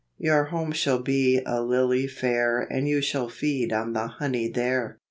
Your home shall be a lily fair And you shall feed on the honey there."